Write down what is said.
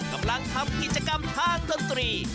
กำลังทำกิจกรรมทางดนตรี